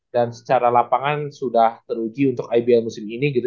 dan secara lapangan sudah teruji untuk ibl musim ini gitu